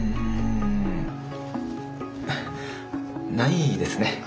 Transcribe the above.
うんないですね。